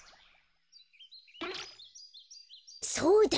そうだ！